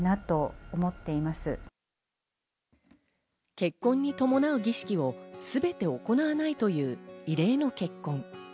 結婚に伴う儀式をすべて行わないという異例の結婚。